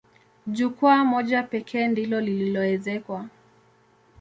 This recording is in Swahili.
Jukwaa moja pekee ndilo lililoezekwa.